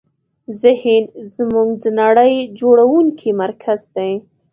ذهن زموږ د نړۍ جوړوونکی مرکز دی.